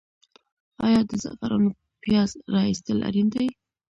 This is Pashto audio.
آیا د زعفرانو پیاز را ایستل اړین دي؟